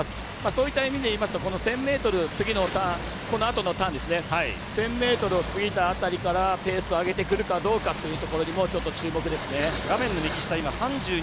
そういった意味でいいますと１０００ｍのこのあとのターン１０００ｍを過ぎた辺りからペースを上げてくるかにもちょっと注目ですね。